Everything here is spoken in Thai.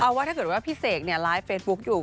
เอาว่าถ้าเกิดว่าพี่เสกเนี่ยไลฟ์เฟซบุ๊คอยู่